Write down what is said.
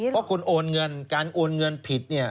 เพราะคุณโอนเงินการโอนเงินผิดเนี่ย